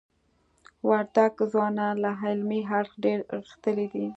وردګ ځوانان له علمی اړخ دير غښتلي دي.